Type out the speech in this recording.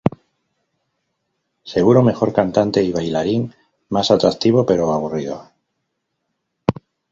Seguro mejor cantante y bailarín, más atractivo, pero aburrido.